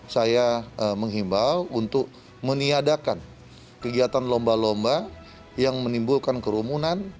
saya menghimbau untuk meniadakan kegiatan lomba lomba yang menimbulkan kerumunan